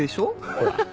ほら。